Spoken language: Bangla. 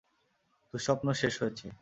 দুঃস্বপ্ন শেষ হয়েছে!